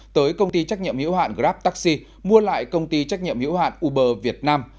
tới công ty trách nhiệm hiệu hạn grabtaxi mua lại công ty trách nhiệm hiệu hạn uber việt nam